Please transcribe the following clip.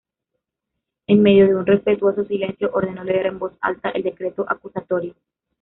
En medio de un respetuoso silencio ordenó leer en voz alta el decreto acusatorio.